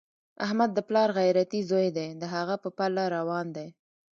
احمد د پلار غیرتي زوی دی، د هغه په پله روان دی.